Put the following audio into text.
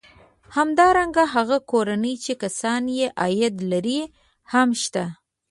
همدارنګه هغه کورنۍ چې کسان یې عاید لري هم شته